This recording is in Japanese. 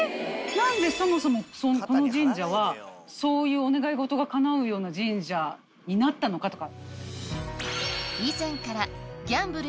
何でそもそもこの神社はそういうお願い事がかなうような神社になったのか？とか。